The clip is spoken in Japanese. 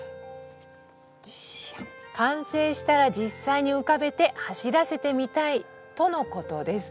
完成したら実際に浮かべて走らせてみたいとのことです。